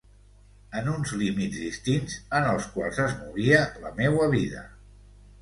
En uns límits distints en els quals es movia la meua vida.